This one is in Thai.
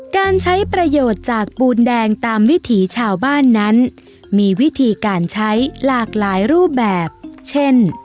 การใช้ประโยชน์จากปูนแดงตามวิถีชาวบ้านนั้นมีวิธีการใช้หลากหลายรูปแบบเช่น